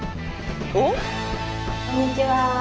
こんにちは。